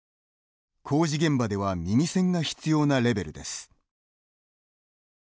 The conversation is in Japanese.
工事現場では耳栓が必要なレベルです。